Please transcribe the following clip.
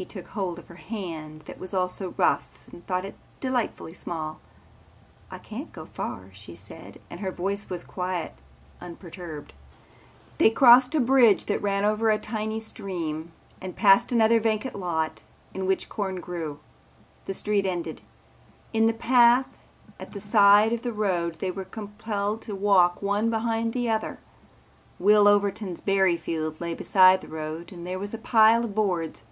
He took hold of her hand that was also rough and thought it delightfully small. "I can't go far," she said and her voice was quiet, unperturbed. They crossed a bridge that ran over a tiny stream and passed another vacant lot in which corn grew. The street ended. In the path at the side of the road they were compelled to walk one behind the other. Will Overton's berry field lay beside the road and there was a pile of boards.